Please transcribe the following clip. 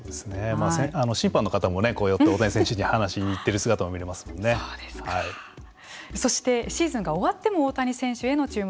審判の方も寄って大谷選手に話しに行ってるそしてシーズンが終わっても大谷選手への注目